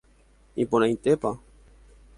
Iporãitépa